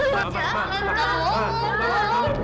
kamu jahat kamil kamu jahat